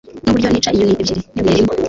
Nuburyo nica inyoni ebyiri nibuye rimwe